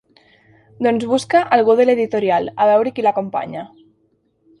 Doncs busca algú de l'editorial, a veure qui l'acompanya.